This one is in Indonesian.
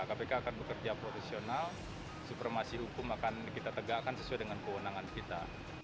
kpk akan bekerja profesional supremasi hukum akan kita tegakkan sesuai dengan kewenangan kita